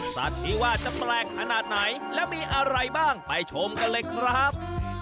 สัตว์ที่ว่าจะแปลกขนาดไหนและมีอะไรบ้างไปชมกันเลยครับ